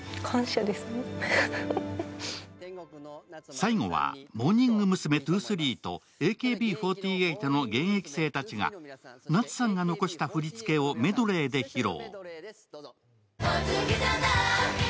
最後はモーニング娘’２３とＡＫＢ４８の現役生たちが夏さんが残した振り付けをメドレーで披露。